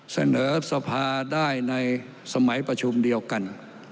เสนอสภาได้ในสมัยประชุมเดียวกัน